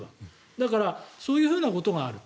だから、そういうことがあると。